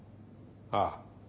ああ。